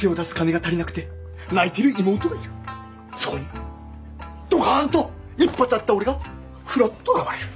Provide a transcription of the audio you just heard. そこにドカンと一発当てた俺がふらっと現れる。